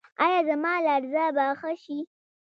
ایا زما لرزه به ښه شي؟